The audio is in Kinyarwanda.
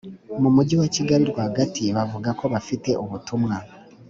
mu mujyi wa kigali rwagati bavuga ko bafite ubutumwa